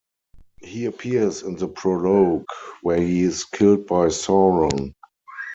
He appears in the prologue, where he is killed by Sauron.